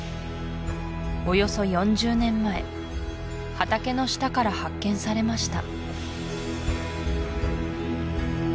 およそ４０年前畑の下から発見されました